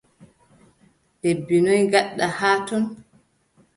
Lebbi noy gaɗɗa haa ton ?